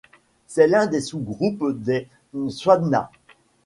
C'est l'un des sous-groupes des Tswanas.